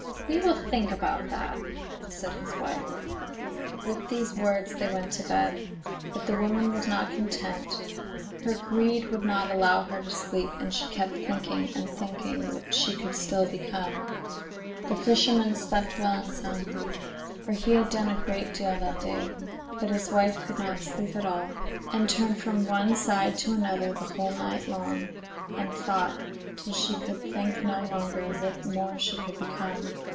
'We will think about that,' said his wife. With these words they went to bed. But the woman was not content; her greed would not allow her to sleep, and she kept on thinking and thinking what she could still become. The fisherman slept well and soundly, for he had done a great deal that day, but his wife could not sleep at all, and turned from one side to another the whole night long, and thought, till she could think no longer, what more she could become.